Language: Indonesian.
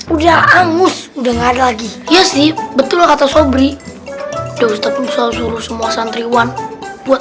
udah hangus udah nggak ada lagi iya sih betul kata sobri udah ustadz suruh semua santriwan buat